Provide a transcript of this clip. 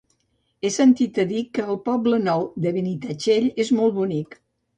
He sentit a dir que el Poble Nou de Benitatxell és molt bonic.